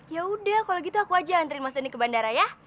yaudah kalau gitu aku aja nganterin mas doni ke bandara ya